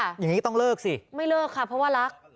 อย่างนี้ต้องเลิกสิไม่เลิกค่ะเพราะว่ารัก